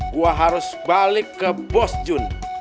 gue harus balik ke bosjun